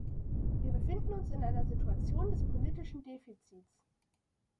Wir befinden uns in einer Situation des politischen Defizits.